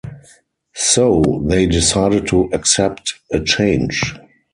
So, they decided to accept a change.